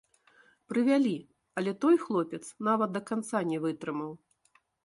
Прывялі, але той хлопец нават да канца не вытрымаў.